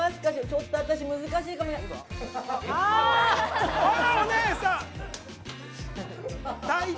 ちょっと私、難しいかもしれない。